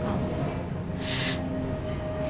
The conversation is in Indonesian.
aku janji aku akan bayar semuanya sama kamu